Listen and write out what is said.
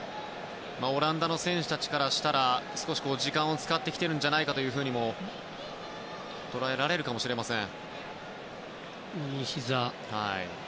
オランダの選手たちからしたら少し時間を使ってきているんじゃないかと捉えられるかもしれません。